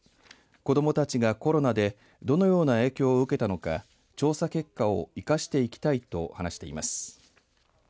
子どもたちがコロナでどのような影響を受けたのか調査結果を生かしていきたいと話していきます。